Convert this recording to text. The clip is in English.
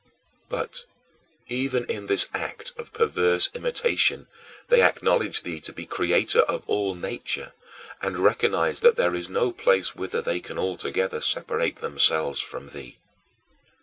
But, even in this act of perverse imitation, they acknowledge thee to be the Creator of all nature, and recognize that there is no place whither they can altogether separate themselves from thee.